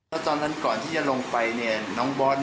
มันไม่แข็ง